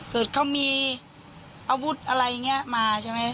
เผื่อเขามีอาวุธอะไรมาใช่ไหม